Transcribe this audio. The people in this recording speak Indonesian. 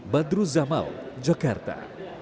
badru zamal jogarta